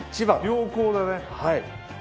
良好だね。